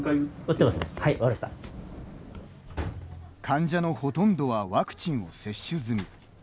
患者のほとんどはワクチンを接種済み。